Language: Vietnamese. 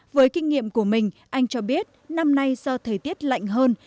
với kinh nghiệm của mình anh cho biết năm nay do thời tiết lạnh hơn